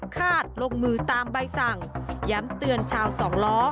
คาดลงมือตามใบสั่งย้ำเตือนชาวสองล้อ